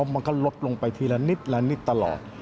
มันก็ลดลงไปทีละนิดตลอด